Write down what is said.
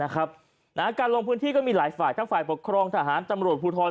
การลงพื้นที่ก็มีหลายฝ่ายทั้งฝ่ายปกครองทหารตำรวจภูทร